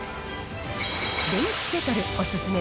電気ケトルお勧め